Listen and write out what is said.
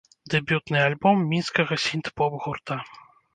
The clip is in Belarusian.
Дэбютны альбом мінскага сінт-поп гурта.